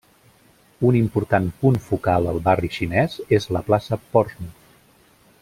Un important punt focal al barri Xinès és la plaça Portsmouth.